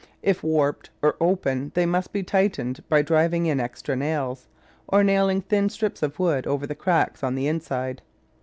If warped or open they must be tightened by driving in extra nails, or nailing thin strips of wood over the cracks on the inside.